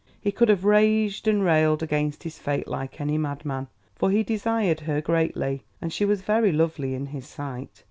He could have raged and railed against his fate like any madman. For he desired her greatly, and she was very lovely in his sight.